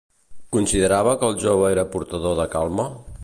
Considerava que el jove era portador de calma?